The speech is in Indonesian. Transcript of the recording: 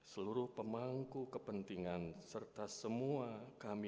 seluruh pemangku kepentingan serta semua kami